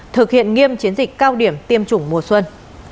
thực hiện nghiêm chiến dịch cao điểm tiêm chủng mùa xuân